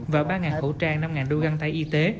và ba khẩu trang năm đô găng tay y tế